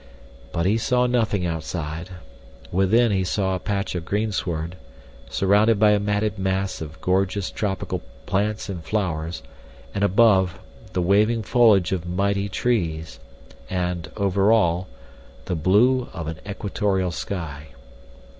But he saw nothing outside—within he saw a patch of greensward surrounded by a matted mass of gorgeous tropical plants and flowers, and, above, the waving foliage of mighty trees, and, over all, the blue of an equatorial sky.